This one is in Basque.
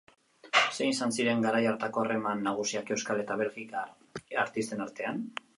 Zein izan ziren garai hartako harreman nagusiak euskal eta belgikar artisten artean?